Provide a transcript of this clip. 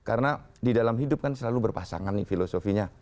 karena di dalam hidup kan selalu berpasangan nih filosofinya